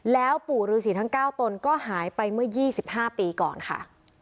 แล้วปู่ฤษีทั้ง๙ตนก็หายไปเมื่อ๒๕ปีก่อนค่ะ